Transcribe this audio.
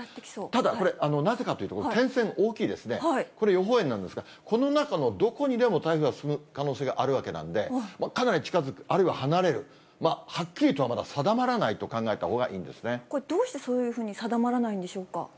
ただこれ、なぜかというと、点線、大きいですね、これ、予報円なんですが、この中のどこにでも台風が進む可能性があるわけなんで、かなり近づく、あるいは離れる、はっきりとはまだ定まらないと考えたほうがいいんですこれ、どうしてそういうふうに定まらないんでしょうか。